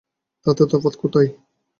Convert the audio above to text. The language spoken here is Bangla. তাতে তফাৎ কোথায়?